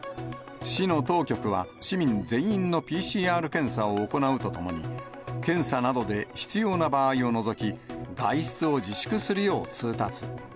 市の当局は、市民全員のＰＣＲ検査を行うとともに、検査などで必要な場合を除き、外出を自粛するよう通達。